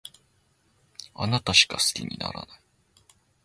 あなたしか好きにならない